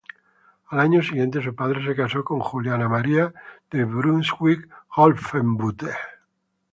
Al año siguiente su padre se casó con Juliana María de Brunswick-Wolfenbütte.